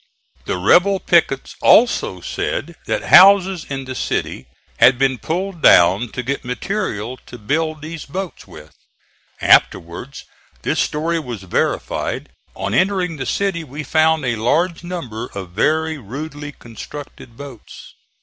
The rebel pickets also said that houses in the city had been pulled down to get material to build these boats with. Afterwards this story was verified: on entering the city we found a large number of very rudely constructed boats.